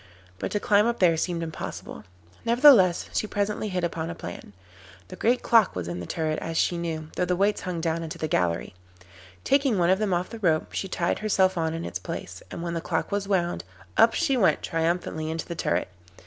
But to climb up there seemed impossible. Nevertheless she presently hit upon a plan. The great clock was in the turret, as she knew, though the weights hung down into the gallery. Taking one of them off the rope, she tied herself on in its place, and when the clock was wound, up she went triumphantly into the turret.